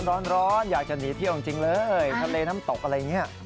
ร้อนอยากจะหนีเที่ยวจริงเลยทะเลน้ำตกอะไรอย่างนี้